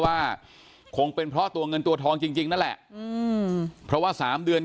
ว่าคงเป็นเพราะตัวเงินตัวทองจริงจริงนั่นแหละอืมเพราะว่าสามเดือน